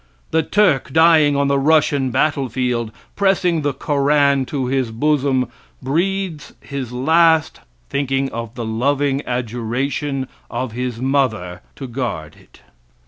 The Turk dying on the Russian battlefield, pressing the Koran to his bosom, breathes his last thinking of the loving adjuration of his mother to guard it.